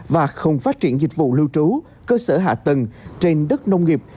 và không phát triển dịch vụ lưu trú cơ sở hạ tầng trên đất nông nghiệp